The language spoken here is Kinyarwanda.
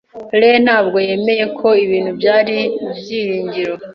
Lee ntabwo yemeye ko ibintu byari byiringiro.